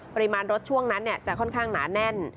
ปริมาณรถช่วงนั้นจะค่อนข้างหนาแน่น